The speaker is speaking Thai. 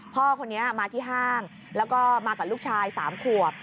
พ่อคนนี้มาที่ห้างแล้วก็มากับลูกชาย๓ขวบ